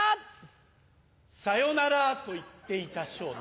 「さよなら」と言っていた昇太。